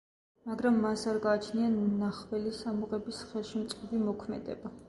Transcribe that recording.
მაგრამ მას არ გააჩნია ნახველის ამოღების ხელშემწყობი მოქმედება.